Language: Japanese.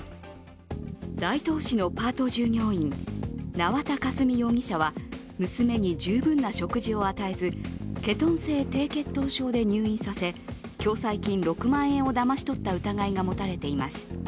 大東市のパート従業員縄田佳純容疑者は娘に十分な食事を与えず、ケトン性低血糖症で入院させ共済金６万円をだまし取った疑いが持たれています。